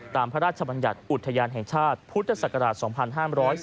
พระราชบัญญัติอุทยานแห่งชาติพุทธศักราช๒๕๔